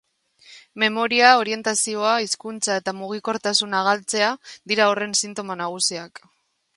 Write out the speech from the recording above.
Memoria, orientazioa, hizkuntza eta mugikortasuna galtzea dira horren sintoma nagusiak.